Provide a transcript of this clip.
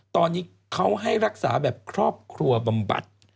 ตอนนี้เขาให้รักษาแบบครอบครัวบำบัด